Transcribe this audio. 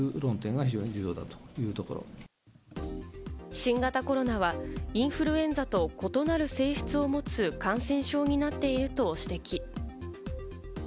新型コロナはインフルエンザと異なる性質を持つ感染症になっていると指摘。